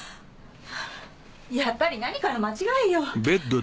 やっぱり何かの間違いよ。